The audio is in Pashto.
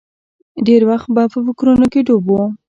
ډېر وخت به په فکرونو کې ډوب و.